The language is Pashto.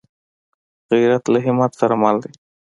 غیرت له همت سره مل دی